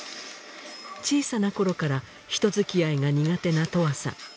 小さな頃から人づきあいが苦手な永遠さん